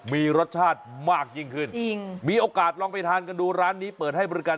มีรสชาติมากยิ่งขึ้นจริงมีโอกาสลองไปทานกันดูร้านนี้เปิดให้บริการ